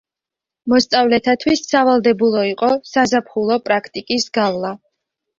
მოსწავლეთათვის სავალდებულო იყო საზაფხულო პრაქტიკის გავლა.